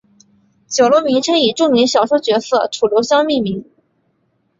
酒楼名称以著名小说角色楚留香命名。